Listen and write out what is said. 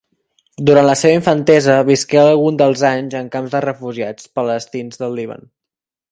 Durant la seva infantesa visqué alguns dels anys en camps de refugiats palestins del Líban.